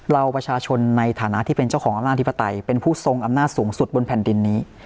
เราประชาชนในฐานะที่เป็นเจ้าของอำนาจธิปไตยเป็นผู้ทรงอำนาจสูงสุดบนแผ่นดินนี้